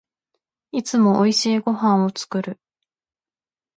いつも美味しいご飯を作る